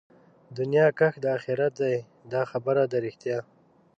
دنيا کښت د آخرت دئ دا خبره ده رښتيا